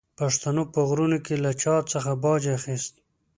پښتنو په غرونو کې له چا څخه باج اخیست.